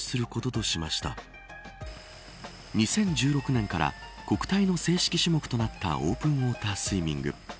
２０１６年から国体の正式種目となったオープンウォータースイミング。